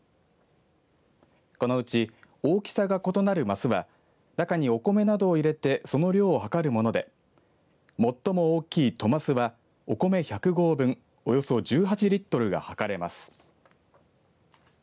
このうち大きさが異なる升は中にお米などを入れてその量を量るもので最も大きい斗升はお米１００合分およそ１８リットルが量れます。